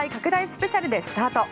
スペシャルでスタート。